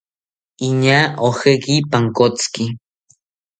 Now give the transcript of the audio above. Iñaa ojeki pankotziki